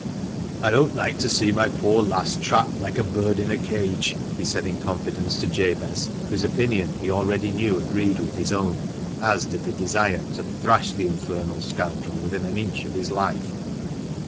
" I don't like to see my poor lass trapped like a bird in a cage," he said in confidence to Jabez, whose opinion he already knew agreed with his own, as did the desire to "thrash the infernal scoundrel within an inch of his life."